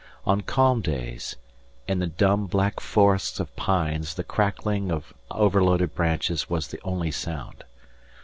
On calm days, in the dumb black forests of pines the cracking of overloaded branches was the only sound.